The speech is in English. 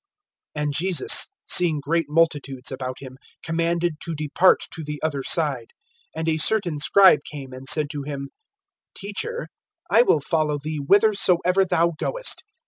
(18)And Jesus, seeing great multitudes about him, commanded to depart to the other side. (19)And a certain scribe came, and said to him: Teacher, I will follow thee whithersoever thou goest.